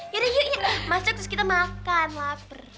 yaudah yuk masa terus kita makan lapar